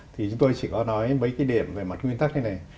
thì chúng tôi chỉ có nói mấy cái điểm về mặt nguyên tắc hay này